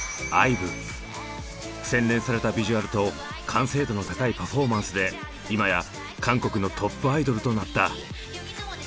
洗練されたビジュアルと完成度の高いパフォーマンスで今や韓国のトップアイドルとなった。